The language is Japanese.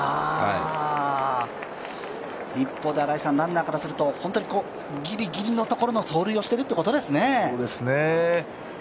一方で新井さん、ランナーからするとギリギリのところの走塁をしているということですね。